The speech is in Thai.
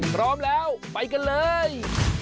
พร้อมแล้วไปกันเลย